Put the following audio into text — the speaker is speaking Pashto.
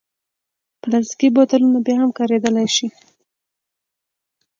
پلاستيکي بوتلونه بیا هم کارېدلی شي.